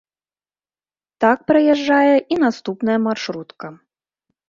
Так праязджае і наступная маршрутка.